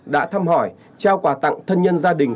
đã thăm hỏi trao quà tặng thân nhân gia đình